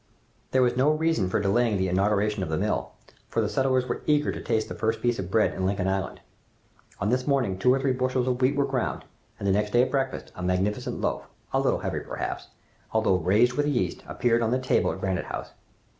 There was no reason for delaying the inauguration of the mill, for the settlers were eager to taste the first piece of bread in Lincoln Island. On this morning two or three bushels of wheat were ground, and the next day at breakfast a magnificent loaf, a little heavy perhaps, although raised with yeast, appeared on the table at Granite House.